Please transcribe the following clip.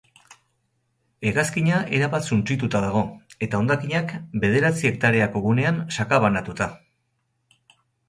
Hegazkina erabat suntsituta dago, eta hondakinak bederatzi hektareako gunean sakabanatuta.